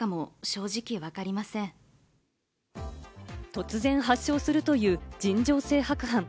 突然発症するという尋常性白斑。